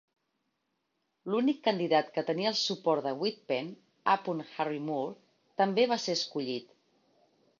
L'únic candidat que tenia el suport de Wittpenn, A. Harry Moore, també va ser escollit.